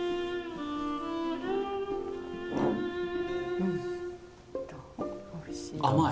うんおいしい。